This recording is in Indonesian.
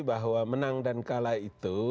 bahwa menang dan kalah itu